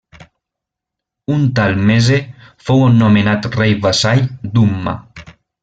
Un tal Mese fou nomenat rei vassall d'Umma.